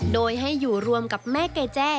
โดยให้อยู่รวมกับแม่เกแจ้